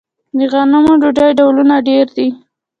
د غنمو ډوډۍ ډولونه ډیر دي.